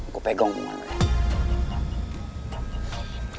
gue pegang kemana